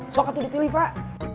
sokak itu dipilih pak